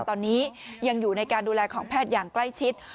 ตอนนี้ยังอยู่ในการดูแลของแพทย์อย่างใกล้ชิด